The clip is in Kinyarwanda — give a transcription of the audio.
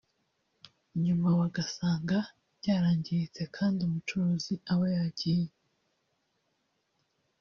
nyuma bagasanga byarangiritse kandi umucuruzi aba yagiye